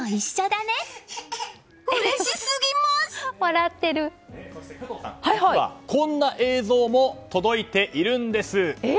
加藤さん、こんな映像も届いているんです。